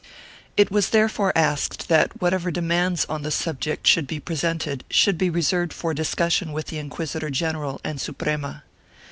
It was therefore asked that whatever demands on the subject should be presented should be reserved for discussion with the inquisitor general and Suprema.